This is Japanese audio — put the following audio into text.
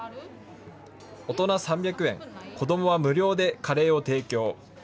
大人３００円、子どもは無料でカレーを提供。